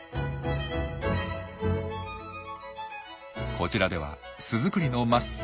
こちらでは巣作りの真っ最中。